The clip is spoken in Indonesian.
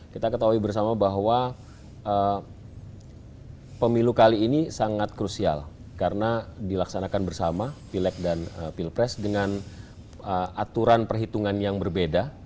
kita ketahui bersama bahwa pemilu kali ini sangat krusial karena dilaksanakan bersama pileg dan pilpres dengan aturan perhitungan yang berbeda